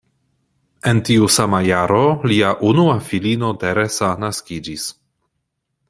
En tiu sama jaro lia unua filino Teresa naskiĝis.